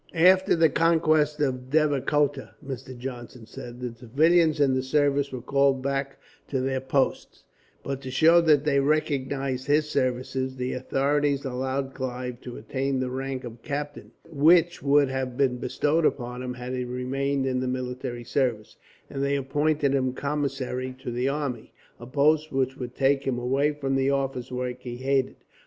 "After the conquest of Devikota," Mr. Johnson said, "the civilians in the service were called back to their posts; but to show that they recognized his services, the authorities allowed Clive to attain the rank of captain, which would have been bestowed upon him had he remained in the military service, and they appointed him commissary to the army, a post which would take him away from the office work he hated.